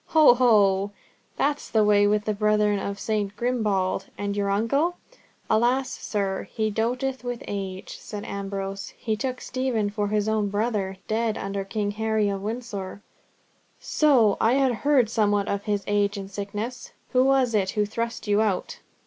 "Ho! ho! That's the way with the brethren of St. Grimbald! And your uncle?" "Alas, sir, he doteth with age," said Ambrose. "He took Stephen for his own brother, dead under King Harry of Windsor." "So! I had heard somewhat of his age and sickness. Who was it who thrust you out?"